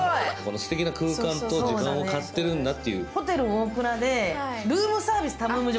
すてきな空間と時間を買ってるんだって。